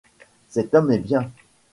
Cet homme est bien.